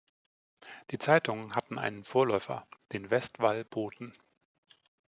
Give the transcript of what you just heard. Die Zeitungen hatten einen Vorläufer, den "Westwall-Boten".